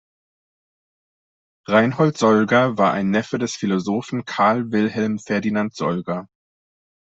Reinhold Solger war ein Neffe des Philosophen Karl Wilhelm Ferdinand Solger.